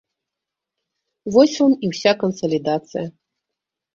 Вось вам і ўся кансалідацыя.